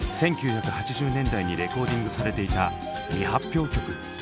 １９８０年代にレコーディングされていた未発表曲。